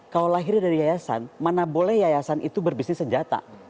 kalau lahirnya dari yayasan mana boleh yayasan itu berbisnis senjata